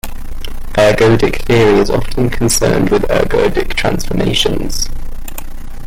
Ergodic theory is often concerned with ergodic transformations.